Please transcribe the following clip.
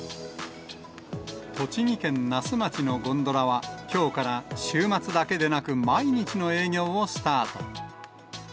栃木県那須町のゴンドラは、きょうから週末だけでなく、毎日の営業をスタート。